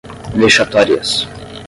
vexatórias